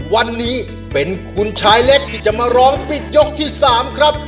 วันนี้เป็นคุณชายเล็กที่จะมาร้องปิดยกที่๓ครับ